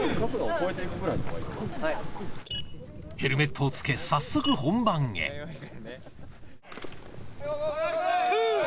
ヘルメットを着け早速本番へトゥス！